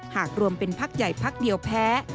หากรวมเป็นพักใหญ่พักเดียวแพ้